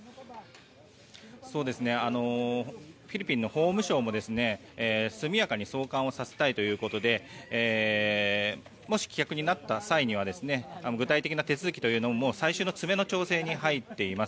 フィリピンの法務省も速やかに送還をさせたいということでもし棄却になった際には具体的な手続きというのも最終の詰めの調整に入っています。